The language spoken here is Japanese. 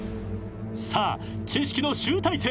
［さあ知識の集大成］